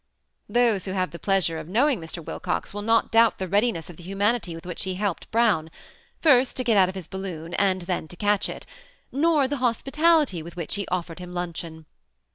Those who have the pleasure of knowing Mr. Wilcox will not doubt the readiness of the humanity with which he helped Brown, — first to get out of his balloon, and then to catch it, — nor the hospitality with which he offered him luncheon.